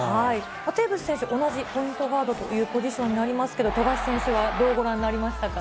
テーブス選手、同じポイントガードというポジションになりますけど、富樫選手はどうご覧になりましたか？